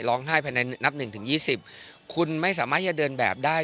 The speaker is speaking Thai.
ภายในนับหนึ่งถึงยี่สิบคุณไม่สามารถจะเดินแบบได้